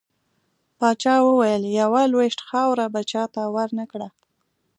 پاچا وويل: يوه لوېشت خاوړه به چاته ورنه کړه .